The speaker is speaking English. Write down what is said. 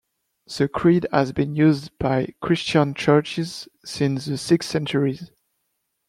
The creed has been used by Christian churches since the sixth century.